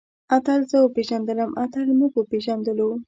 اتل زه وپېژندلم. اتل موږ وپېژندلو.